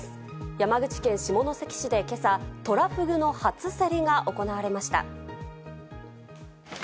山口県下関市で今朝、トラフグの初競りが行われました。